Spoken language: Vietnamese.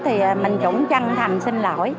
thì mình chủng chân thành xin lỗi